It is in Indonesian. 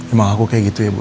emang aku kayak gitu ya bu